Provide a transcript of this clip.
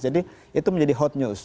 jadi itu menjadi hot news